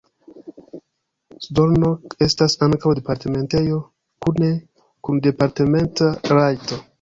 Szolnok estas ankaŭ departementejo kune kun departementa rajto.